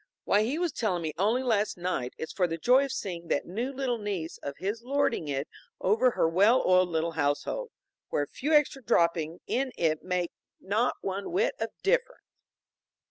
Why, he was telling me only last night it's for the joy of seeing that new little niece of his lording it over her well oiled little household, where a few extra dropping in makes not one whit of difference."